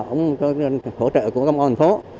không có khổ trợ của công an phố